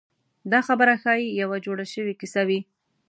دا خبره ښایي یوه جوړه شوې کیسه وي.